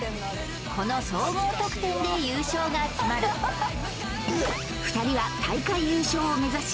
この総合得点で優勝が決まる２人は大会優勝を目指し